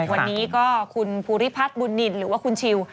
วันนี้ก็คุณภูริพัฒน์บุญนินหรือว่าคุณชิว